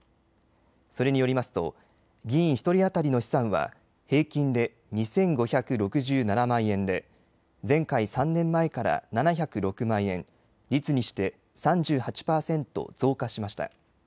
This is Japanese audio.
それによりますと議員１人当たりの資産は平均で２５６７万円で前回３年前から７０６万円、率にして３８％増加しました。